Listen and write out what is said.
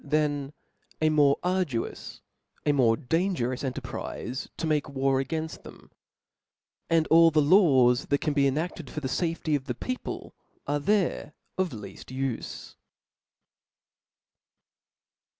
^^^^^"^ more arduous, a more dangerous enter prize, to make war againft them ; and all the laws that can be ena<5led for the fafety of the people are there of lead ufe.